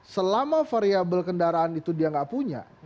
selama variable kendaraan itu dia nggak punya